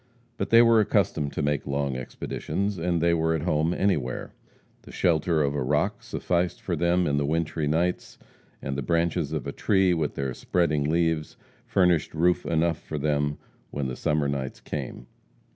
But they were accustomed to make long expeditions, and they were at home anywhere. The shelter of a rock sufficed for them in the wintry nights, and the branches of a tree, with their spreading leaves, furnished roof enough for them when the summer nights came.